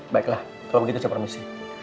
baiklah kalau begitu saya permisi